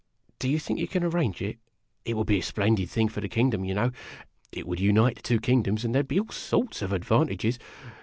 Do you think you can arrange it? It would be a splendid thing for the kingdom, you know. It would unite the two kino doms, and there 'd be all sorts of advantages.